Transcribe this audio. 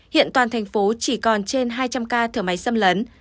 hiện toàn thành phố chỉ còn trên hai trăm linh ca thở máy xâm lấn